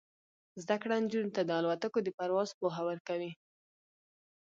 زده کړه نجونو ته د الوتکو د پرواز پوهه ورکوي.